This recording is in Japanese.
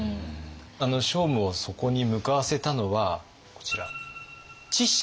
聖武をそこに向かわせたのはこちら智識。